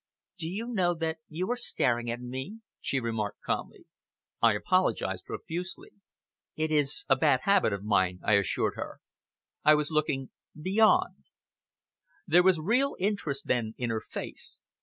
"Do you know that you are staring at me?" she remarked, calmly. I apologized profusely. "It is a bad habit of mine," I assured her. "I was looking beyond." There was real interest then in her face.